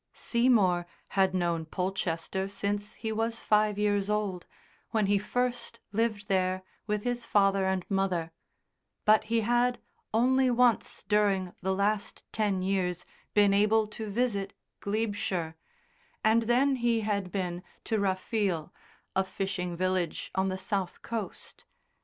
Seymour had known Polchester since he was five years old, when he first lived there with his father and mother, but he had only once during the last ten years been able to visit Glebeshire, and then he had been to Rafiel, a fishing village on the south coast.